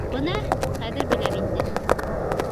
Бына хәҙер беләм инде.